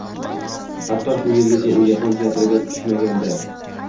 Hatto shu yilgacha u yapon teatriga tushmagandi